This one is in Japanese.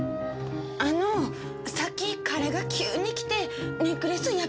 あのさっき彼が急に来てネックレス